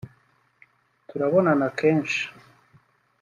turabonana kenshi